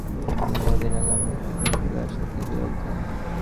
তিনি মদিনাগামী একটি কাফেলার সাথে যোগ দেন।